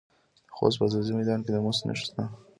د خوست په ځاځي میدان کې د مسو نښې شته.